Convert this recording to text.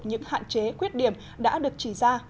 những hạn chế quyết điểm đã được chỉ ra